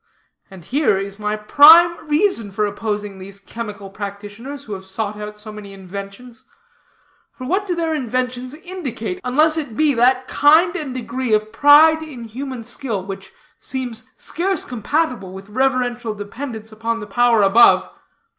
And here is my prime reason for opposing these chemical practitioners, who have sought out so many inventions. For what do their inventions indicate, unless it be that kind and degree of pride in human skill, which seems scarce compatible with reverential dependence upon the power above?